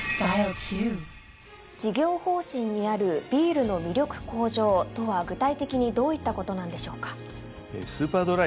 事業方針にある「ビールの魅力向上」とは具体的にどういったことなんでしょうか？